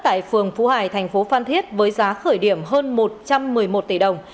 tại phường phú hải thành phố phan thiết với giá khởi điểm hơn một trăm một mươi một tỷ đồng